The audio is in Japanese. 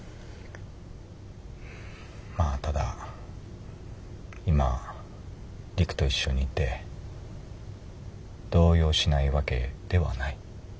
まあただ今陸と一緒にいて動揺しないわけではない。